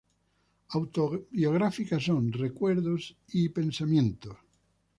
Autobiográficas son "Recuerdos" y "Pensamientos".